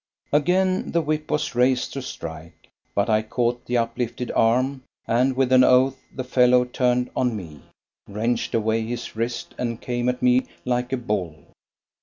Again the whip was raised to strike, but I caught the uplifted arm, and with an oath the fellow turned on me, wrenched away his wrist, and came at me like a bull.